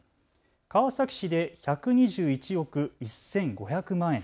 川崎市で１２１億１５００万円。